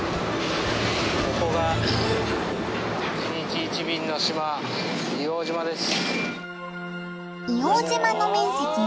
ここが１日１便の島硫黄島です。